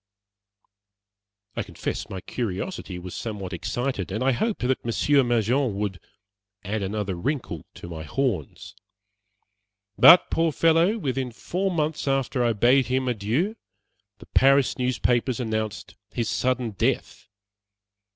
I confess my curiosity was somewhat excited, and I hoped that Monsieur Mangin would "add another wrinkle to my horns." But, poor fellow! within four months after I bade him adieu, the Paris newspapers announced his sudden death.